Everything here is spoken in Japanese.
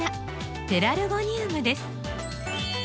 「ペラルゴニウム」です。